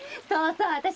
そうそう！